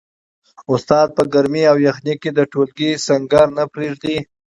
استاد په ګرمۍ او یخنۍ کي د ټولګي سنګر نه پریږدي.